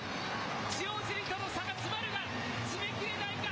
塩尻との差が詰まるが、詰め切れないか。